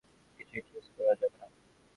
কিছুই ট্রেস করা যাবে না।